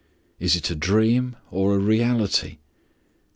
Is it a dream or a reality?